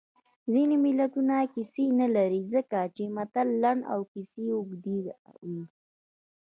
ځینې متلونه کیسې نه لري ځکه چې متل لنډ او کیسه اوږده وي